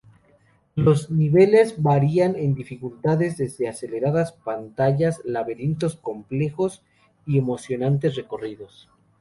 Los niveles varían en dificultad, desde aceleradas pantallas, laberintos complejos y emocionantes recorridos.